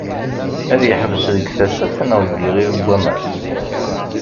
Ad yeḥbes deg Tasaft neɣ deg Iɣil n wammas?